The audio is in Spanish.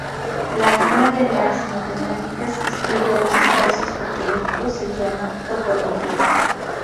La rama de las matemáticas que estudia los espacios topológicos se llama topología.